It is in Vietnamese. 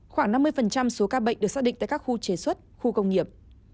khoảng năm mươi số ca bệnh được xác định tại các khu chế xuất khu công nghiệp